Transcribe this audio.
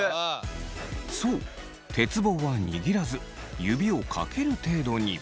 そう鉄棒は握らず指をかける程度に。